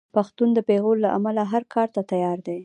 پښتون د پېغور له امله هر کار ته تیار دی.